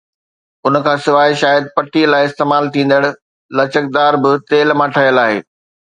ان کان سواءِ شايد پٽي لاءِ استعمال ٿيندڙ لچڪدار به تيل مان ٺهيل آهي